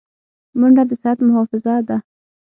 منډه د صحت محافظه ده